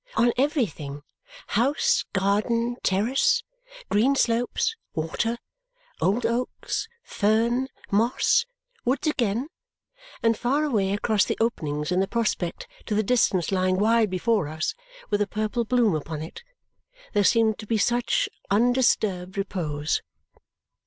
On everything, house, garden, terrace, green slopes, water, old oaks, fern, moss, woods again, and far away across the openings in the prospect to the distance lying wide before us with a purple bloom upon it, there seemed to be such undisturbed repose.